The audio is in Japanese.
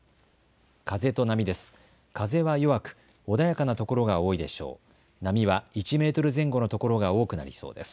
風と波です。